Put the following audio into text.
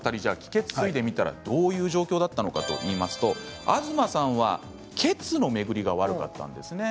血・水で見たらどういう状況かといいますと東さんは血の巡りが悪かったんですね。